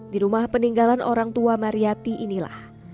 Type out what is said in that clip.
di rumah peninggalan orang tua mariyati inilah